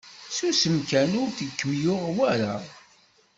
Susem kan ur d kem-yuɣ wara.